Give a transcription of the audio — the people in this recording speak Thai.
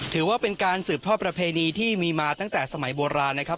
ถือว่าเป็นการสืบทอดประเพณีที่มีมาตั้งแต่สมัยโบราณนะครับ